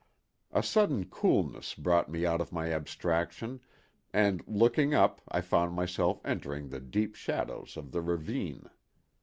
A sudden coolness brought me out of my abstraction, and looking up I found myself entering the deep shadows of the ravine.